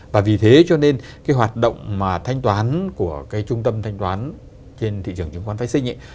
và vì thế cho nên cái hoạt động mà thanh toán của cái trung tâm thanh toán trên thị trường chứng khoán phái sinh ấy